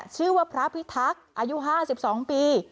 ชื่อว่าพระพิทักษ์อายุ๕๒ปี